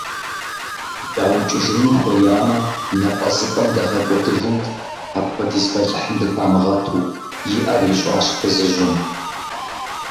ДаукӀыжыну хуеямэ, напӀэзыпӀэм дагъэкӀуэдыжынт, апхуэдиз бэлыхьым дыхамыгъэту, – и Ӏэр ищӀащ фызыжьым.